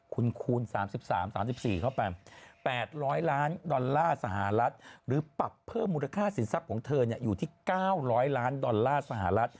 คุณคูณ๓๓๔เข้าไป๘๐๐ล้านดอลลาร์สหรัฐหรือปรับเพิ่มมูลค่าสินทรัพย์ของเธออยู่ที่๙๐๐ล้านดอลลาร์สหรัฐ